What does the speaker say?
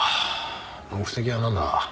目的はなんだ？